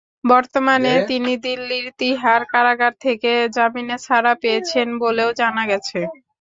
বর্তমানে তিনি দিল্লির তিহার কারাগার থেকে জামিনে ছাড়া পেয়েছেন বলেও জানা গেছে।